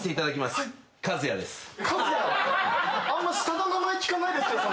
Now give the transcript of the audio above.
あんま下の名前聞かないですけど。